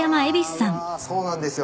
うわそうなんですよね。